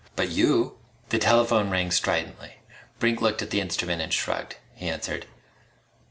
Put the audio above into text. But you " The telephone rang stridently. Brink looked at the instrument and shrugged. He answered.